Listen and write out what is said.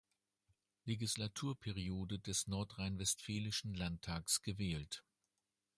Legislaturperiode des nordrhein-westfälischen Landtags gewählt.